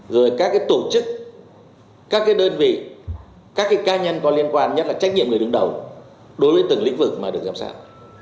rồi các tổ chức các đơn vị các cá nhân có liên quan nhất là trách nhiệm người đứng đầu đối với từng lĩnh vực mà được giám sát